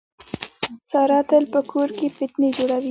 ساره تل په کور کې فتنې جوړوي.